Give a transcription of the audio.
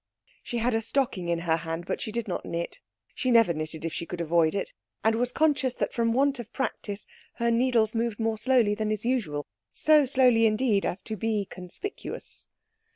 She had a stocking in her hand, but she did not knit. She never knitted if she could avoid it, and was conscious that from want of practice her needles moved more slowly than is usual so slowly, indeed, as to be conspicuous.